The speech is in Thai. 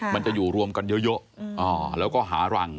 มันจะอยู่รวมกันเยอะแล้วก็หารัง